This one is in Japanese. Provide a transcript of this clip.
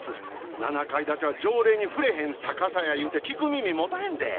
７階建ては条例に触れへん高さや言うて聞く耳持たへんで。